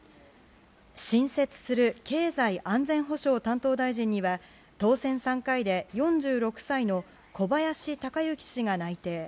新設する経済安全保障担当大臣には当選３回で４６歳の小林鷹之氏が内定。